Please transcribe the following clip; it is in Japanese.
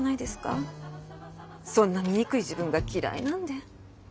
そんな醜い自分が嫌いなんで。